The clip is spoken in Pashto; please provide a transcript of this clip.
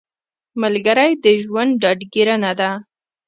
ملګری د ژوند ډاډګیرنه ده